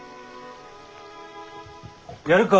やるか？